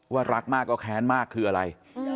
รักมากก็แค้นมากคืออะไร